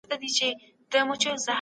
موږ بايد تل د حق لاره تعقيب کړو.